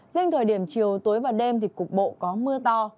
riêng thời điểm chiều tối và đêm thì cục bộ có mưa to